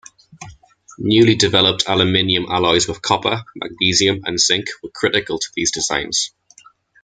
Newly developed aluminum alloys with copper, magnesium and zinc were critical to these designs.